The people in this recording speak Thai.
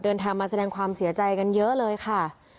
เดินทางมาแสดงความเสียใจกันเยอะเลยค่ะ